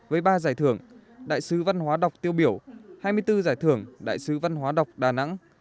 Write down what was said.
với ba giải thưởng đại sứ văn hóa đọc tiêu biểu hai mươi bốn giải thưởng đại sứ văn hóa đọc đà nẵng